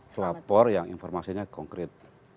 pelapor yang informasinya konkret